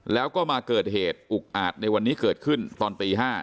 แล้วก็มาเกิดเหตุอุกอาจในวันนี้เกิดขึ้นตอนตี๕